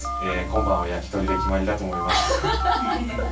今晩は焼き鳥で決まりだと思います。